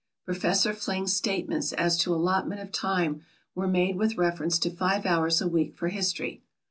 Professor Fling's statements as to allotment of time were made with reference to five hours a week for history.